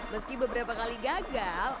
meski beberapa kali gagal